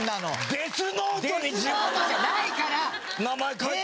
デスノートじゃないから！